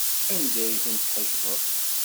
Anda ay tent-tḥejbeḍ?